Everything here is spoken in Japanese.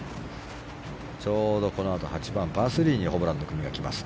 ちょうど、このあと８番、パー３にホブランの組が来ます。